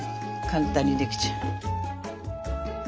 簡単にできちゃう。